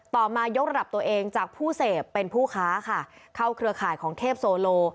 มายกระดับตัวเองจากผู้เสพเป็นผู้ค้าค่ะเข้าเครือข่ายของเทพโซโล